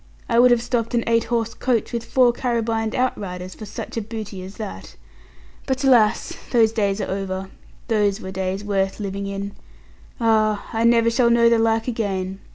I would have stopped an eight horse coach, with four carabined out riders, for such a booty as that. But alas, those days are over; those were days worth living in. Ah, I never shall know the like again.